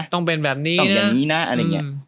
ต้องเป็นแบบนี้นะต้องอย่างนี้นะอะไรอย่างเงี้ยอืม